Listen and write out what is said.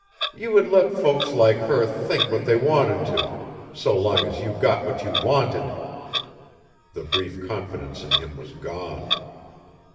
You would let folks like her think what they wanted to, so long as you got what you wanted!" The brief confidence in him was gone.